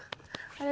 あれ？